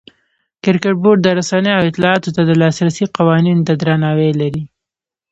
کرکټ بورډ د رسنیو او اطلاعاتو ته د لاسرسي قوانینو ته درناوی لري.